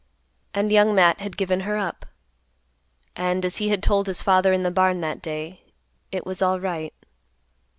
And Young Matt had given her up. And, as he had told his father in the barn that day, it was alright.